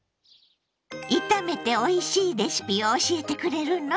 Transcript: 炒めておいしいレシピを教えてくれるの？